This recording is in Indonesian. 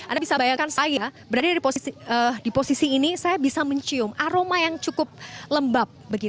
anda bisa bayangkan saya berada di posisi ini saya bisa mencium aroma yang cukup lembab